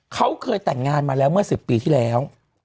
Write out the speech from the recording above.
เขาเคยแต่งงานมาแล้วเมื่อ๑๐ปีที่แล้ว